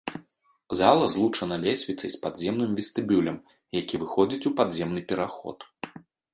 Зала злучана лесвіцай з падземным вестыбюлем, які выходзіць у падземны пераход.